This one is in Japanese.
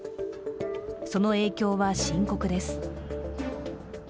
その影響は深刻です。